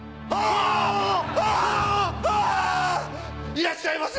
いらっしゃいませ。